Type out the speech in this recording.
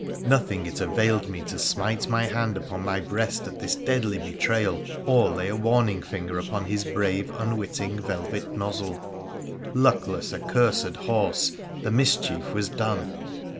Nothing it availed me to smite my hand upon my breast at this deadly betrayal, or lay a warning finger upon his brave, unwitting, velvet nozzle — luckless, accursed horse, the mischief was done